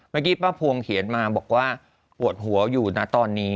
เมื่อกี้ป้าพวงเขียนมาบอกว่าปวดหัวอยู่นะตอนนี้